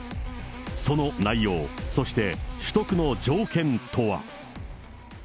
その内容、そして取得の条件とは。